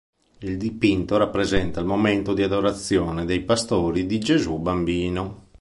Il dipinto rappresenta il momento di adorazione dei pastori di Gesù bambino.